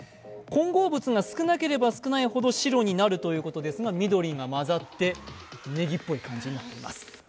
混合物が少なければ少ないほど白になるということですが緑が混ざって、ねぎっぽい感じになっています。